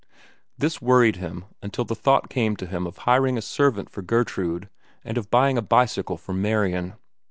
This worried him until the thought came to him of hiring a servant for Gertrude and of buying a bicycle for Marian.